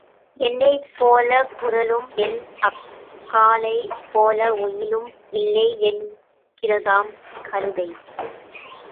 என்னைப் போலக் குரலும் என் அக்காளைப் போல ஒயிலும் இல்லை என்கிறதாம் கழுதை.